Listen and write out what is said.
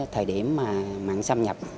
thời điểm mà mặn xâm nhập